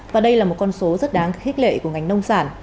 và đây là một con số rất đáng khích lệ của ngành nông sản